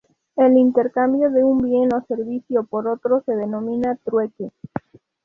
El intercambio de un bien o servicio por otro se denomina trueque.